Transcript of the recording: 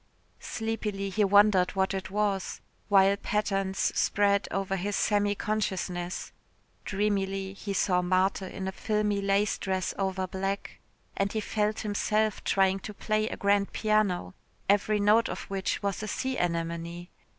Sleepily he wondered what it was while patterns spread over his semi consciousness dreamily he saw Marthe in a filmy lace dress over black and he felt himself trying to play on a grand piano, every note of which was a sea anemone.